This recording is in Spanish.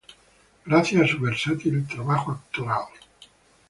Gracias a su versátil trabajo actoral.